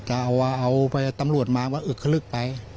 จะเอาไปตำรวจมาว่าอึกคลึกไป